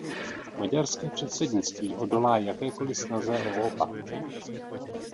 Maďarské předsednictví odolá jakékoli snaze o opak.